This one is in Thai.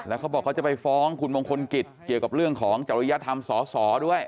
แล้วเขาบอกเขาจะไปฟ้องคุณมงคลกิจเกี่ยวกับเรื่องของจริยธรรมสอสอด้วย